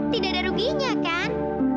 tidak ada ruginya kan